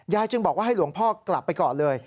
จึงบอกว่าให้หลวงพ่อกลับไปก่อนเลย